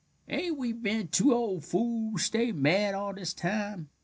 "Ain't we ben two old fools to stay mad all this time?"